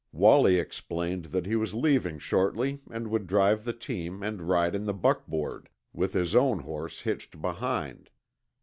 Wallie explained that he was leaving shortly and would drive the team and ride the buckboard, with his own horse hitched behind.